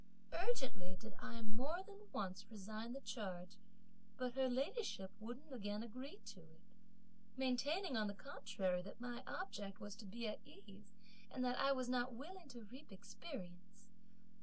Urgently did I more than once resign the charge, but her ladyship wouldn't again agree to it; maintaining, on the contrary, that my object was to be at ease, and that I was not willing to reap experience.